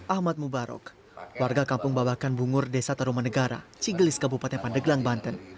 ahmad mubarok warga kampung babakan bungur desa tarumanegara cigelis kabupaten pandeglang banten